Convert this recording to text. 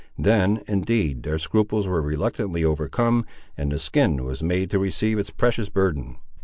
Then, indeed, their scruples were reluctantly overcome, and the skin was made to receive its precious burden.